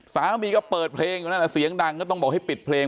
สามีก็เปิดเพลงอยู่นั่นแหละเสียงดังก็ต้องบอกให้ปิดเพลง